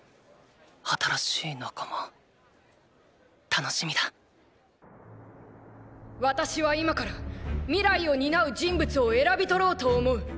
新しい仲間楽しみだ私は今から未来を担う人物を選びとろうと思う！